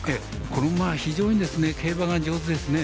この馬は非常に競馬が上手ですね。